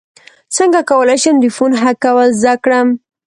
څنګه کولی شم د فون هک کول زده کړم